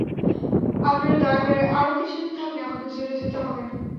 আপনারা দয়া করে আরও কিছুদিন থাকলে, আমাকে জেলে যেতে হবে না।